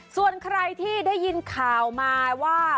ส่วนใครที่ได้ยินข่าวมาว่า